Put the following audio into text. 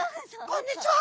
「こんにちは！」